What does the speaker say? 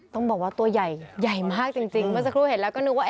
ต้องบอกว่าตัวใหญ่ใหญ่มากจริงเมื่อสักครู่เห็นแล้วก็นึกว่า